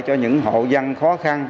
cho những hộ dân khó khăn